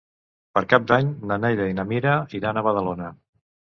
Per Cap d'Any na Neida i na Mira iran a Badalona.